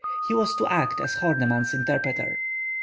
He was to act as Horneman's interpreter.